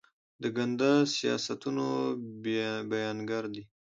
د ګنده سیاستونو بیانګر دي.